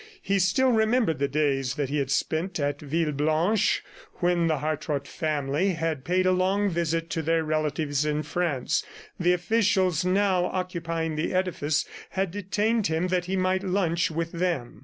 He still remembered the days that he had spent at Villeblanche when the Hartrott family had paid a long visit to their relatives in France. The officials now occupying the edifice had detained him that he might lunch with them.